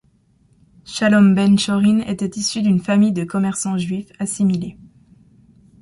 Schalom Ben-Chorin était issu d’une famille de commerçants Juifs assimilés.